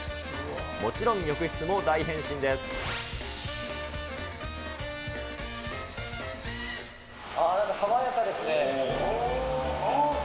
もちろん浴室も大変身です。